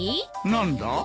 何だ？